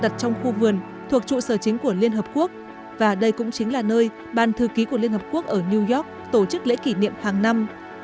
trong khu vườn thuộc trụ sở chính của liên hợp quốc và đây cũng chính là nơi ban thư ký của liên hợp quốc ở new york tổ chức lễ kỷ niệm hàng năm